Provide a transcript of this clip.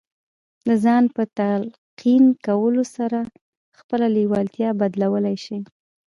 د ځان په تلقين کولو سره خپله لېوالتیا بدلولای شئ.